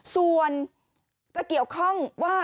ส่วนจะเกี่ยวข้องว่า